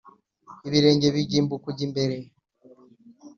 Ibirenga bijya imbu kujya imbere